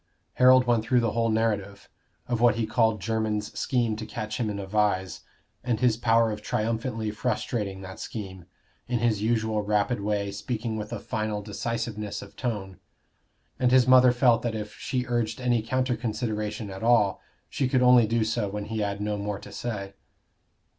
Harold went through the whole narrative of what he called Jermyn's scheme to catch him in a vise, and his power of triumphantly frustrating that scheme in his usual rapid way, speaking with a final decisiveness of tone; and his mother felt that if she urged any counter consideration at all, she could only do so when he had no more to say.